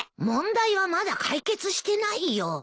問題はまだ解決してないよ。